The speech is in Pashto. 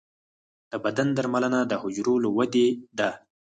د بدن درملنه د حجرو له ودې ده.